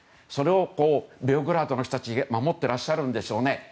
それをベオグラードの人たちは守っていらっしゃるんでしょうね。